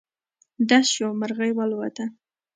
ډز شو، مرغی والوته.